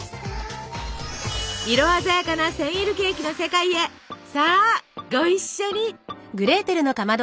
色鮮やかなセンイルケーキの世界へさあご一緒に！